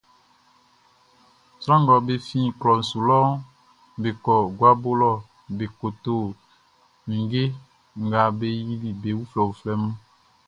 Sran nga be fin klɔʼn su lɔʼn, be kɔ guabo lɔ be ko to ninnge nga be yili be uflɛuflɛʼn.